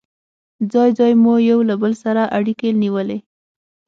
ځای ځای مو یو له بل سره اړيکې نیولې.